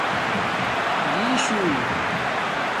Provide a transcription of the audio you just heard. جوݵیشو